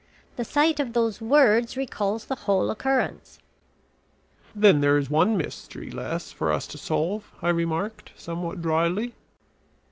The sight of those words recalls the whole occurrence." "Then there is one mystery less for us to solve," I remarked, somewhat dryly.